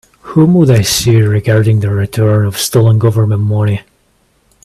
Whom would I see regarding the return of stolen Government money?